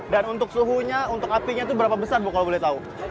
dan untuk suhunya untuk apinya tuh berapa besar bu kalau boleh tahu